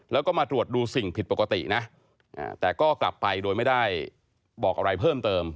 แล้วก็มาตรวจดูสิ่งผิดปกตินะแต่ก็กลับไปโดยไม่ได้บอกอะไรเพิ่มเติม